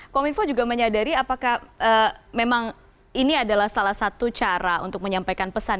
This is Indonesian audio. kominfo juga menyadari apakah memang ini adalah salah satu cara untuk menyampaikan pesan